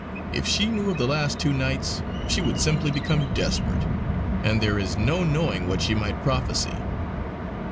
If she knew of the last two nights, she would simply become desperate; and there is no knowing what she might prophecy!"